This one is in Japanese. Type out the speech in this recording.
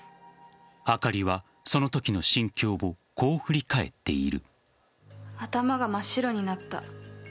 そんな中あかりは、そのときの心境をこう振り返っている。